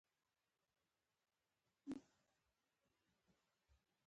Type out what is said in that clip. پۀ ځان پۀ خپله نازلې کړي دي -